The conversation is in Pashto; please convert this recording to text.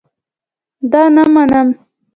دا نه منم